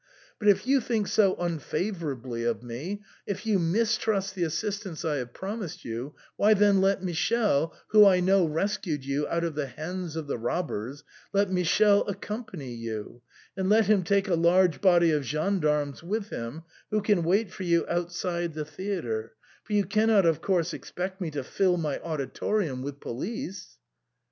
But if you think so unfavourably of me, if you mistrust the assistance I have promised you, why then let Michele, who I know rescued you out of the hands of the robbers — let Michele accompany you, and let him take a large body of gendarmes with him, who can wait for you outside the theatre, for you can not of course expect me to fill my auditorium with police."